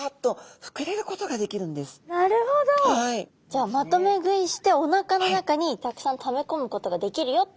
じゃあまとめ食いしておなかの中にたくさんためこむことができるよっていうことですよね？